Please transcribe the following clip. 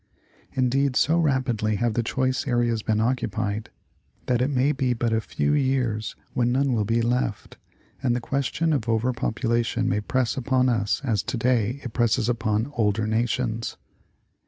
Indeed, so rapidly have the choice areas been occupied, that it may be but a few years when none will be left, and the question of over po23ulation may press upon us as to day it presses upon older nations.